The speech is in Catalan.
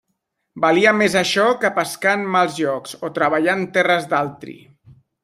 Valia més això que pescar en mals llocs o treballar en terres d'altri.